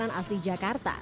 makanan asli jakarta